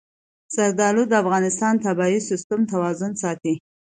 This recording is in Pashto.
زردالو د افغانستان د طبعي سیسټم توازن ساتي.